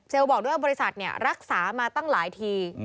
เซลล์บอกด้วยว่าบริษัทเนี่ยรักษามาตั้งหลายที